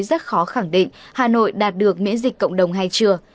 rất khó khẳng định hà nội đạt được miễn dịch cộng đồng hay chưa